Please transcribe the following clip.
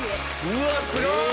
うわっすごい！